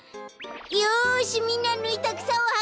よしみんなぬいたくさをはこぶよ！